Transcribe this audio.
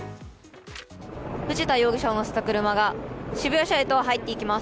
藤田容疑者を乗せた車が渋谷署へと入っていきます。